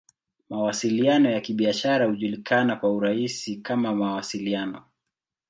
Mawasiliano ya Kibiashara hujulikana kwa urahisi kama "Mawasiliano.